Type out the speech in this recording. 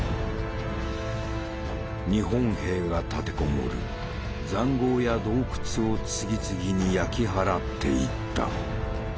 日本兵が立て籠もる塹壕や洞窟を次々に焼き払っていった。